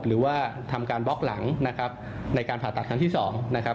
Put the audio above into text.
หรือว่าทำการบล็อกหลังนะครับในการผ่าตัดครั้งที่๒นะครับ